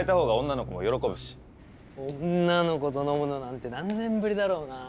女の子と飲むのなんて何年ぶりだろうな？